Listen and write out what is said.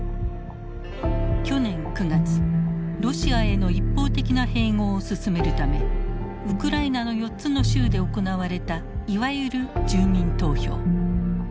去年９月ロシアへの一方的な併合を進めるためウクライナの４つの州で行われたいわゆる住民投票。